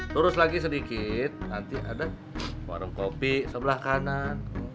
terus lagi sedikit nanti ada warung kopi sebelah kanan